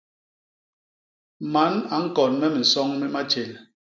Man a ñkon me minsoñ mi matjél.